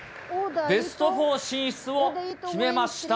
ベスト４進出を決めました。